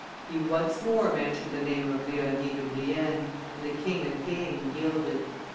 He once more mentioned the name of Leonie de Brienne, and the king again yielded.